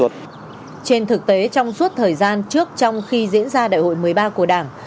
trên thực tế trong suốt thời gian trước trong khi diễn ra đại hội một mươi ba của đảng